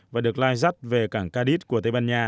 và được lai dắt về cảng cadit của tây ban nha